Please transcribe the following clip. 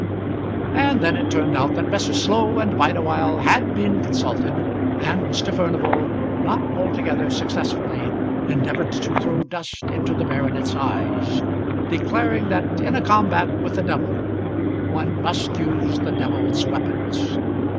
And then it turned out that Messrs. Slow and Bideawhile had been consulted; and Mr. Furnival, not altogether successfully, endeavoured to throw dust into the baronet's eyes, declaring that in a combat with the devil one must use the devil's weapons.